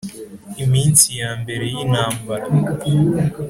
iminsi yambere yintambara